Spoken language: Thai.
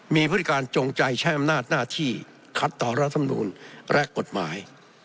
มีพฤติการจงใจใช้อำนาจหน้าที่คัดต่อรัฐธรรมนูลและกฎหมาย